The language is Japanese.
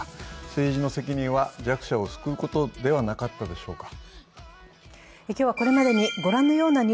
政治の責任は弱者を救うことではなかったでしょうか。